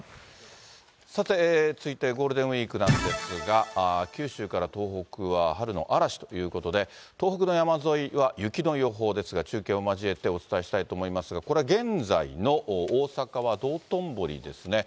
さて、続いてゴールデンウィークなんですが、九州から東北は春の嵐ということで、東北の山沿いは雪の予報ですが、中継を交えてお伝えしたいと思いますが、これは現在の大阪は道頓堀ですね。